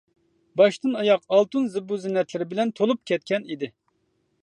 باشتىن ئاياق ئالتۇن زىبۇ-زىننەتلىرى بىلەن تولۇپ كەتكەن ئىدى.